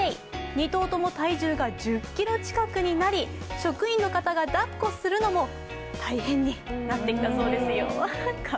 ２頭とも体重が１０ｋｇ近くになり職員の方がだっこするのも大変になってきたそうですよ。